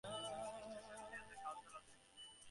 The station has a cultural display.